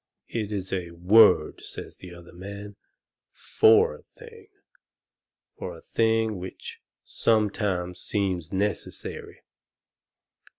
"It is a WORD," says the other man, "FOR a thing. For a thing which sometimes seems necessary.